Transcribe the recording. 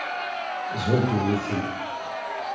Zhu dunnit-im.